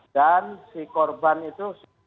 dan si korban itu